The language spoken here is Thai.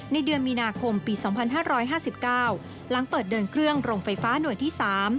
เดือนมีนาคมปี๒๕๕๙หลังเปิดเดินเครื่องโรงไฟฟ้าหน่วยที่๓